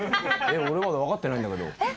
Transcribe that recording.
俺まだわかってないんだけど。